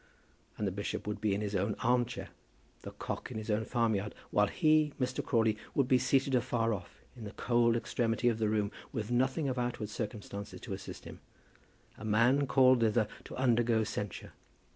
And the bishop would be in his own arm chair, the cock in his own farmyard, while he, Mr. Crawley, would be seated afar off, in the cold extremity of the room, with nothing of outward circumstances to assist him, a man called thither to undergo censure.